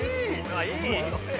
いい！